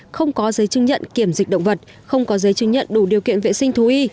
không có giấy chứng nhận kiểm dịch động vật không có giấy chứng nhận đủ điều kiện vệ sinh thú y